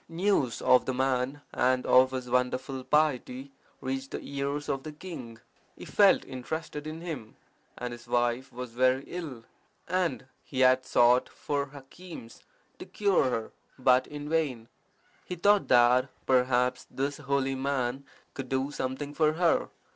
News of the man and of his wonderful piety reached the ears of the king. He felt interested in him, as his wife was very ill; and he had sought for hakims to cure her, but in vain. He thought that, perhaps, this holy man could do something for her.